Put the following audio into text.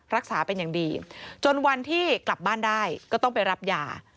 รักษาเป็นอย่างดีจนวันที่กลับบ้านได้ก็ต้องไปรับยา